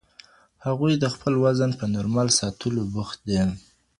هغوی د خپل وزن په نورمال ساتلو بوخت دي.